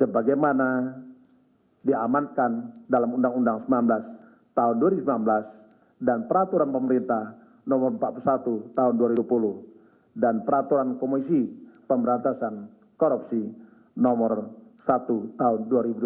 sebagaimana diamankan dalam undang undang sembilan belas tahun dua ribu sembilan belas dan peraturan pemerintah nomor empat puluh satu tahun dua ribu dua puluh dan peraturan komisi pemberantasan korupsi nomor satu tahun dua ribu delapan belas